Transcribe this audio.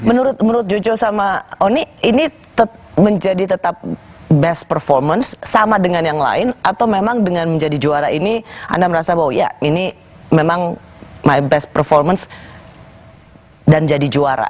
menurut jojo sama oni ini menjadi tetap best performance sama dengan yang lain atau memang dengan menjadi juara ini anda merasa bahwa ya ini memang my best performance dan jadi juara